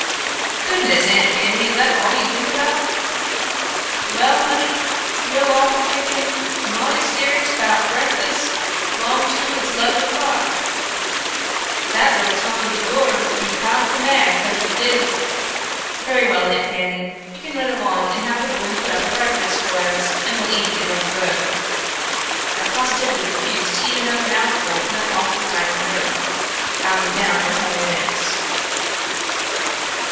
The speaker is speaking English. "Goodness, Aunt Fanny, is that all you think about?" "Well, honey, yo' all be thinkin' moughty serious 'bout breakfas' 'long to'ahds 'leben o'clock. Dat li'l tummy o' yourn 'll be pow'ful mad 'cause yo' didn' " "Very well, Aunt Fanny, you can run along and have the woman put up a breakfast for us and we'll eat it on the road. I positively refuse to eat another mouthful in that awful dining room. I'll be down in ten minutes."